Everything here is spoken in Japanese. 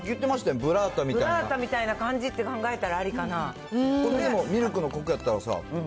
ブラータみたいな感じって考えたらこれでも、ミルクのコクやっ